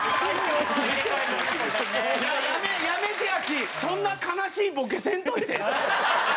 やめてやしそんな悲しいボケせんといて。